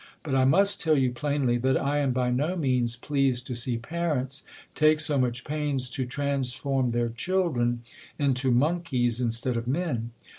But I must tell you plainly, that I am by no means pleased to see parents take so much pains to transform their children into monkeys instead of men.